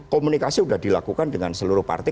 komunikasi sudah dilakukan dengan seluruh partai